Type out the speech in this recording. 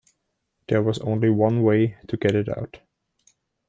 There was only one way to get it out.